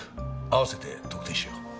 併せて特定しよう。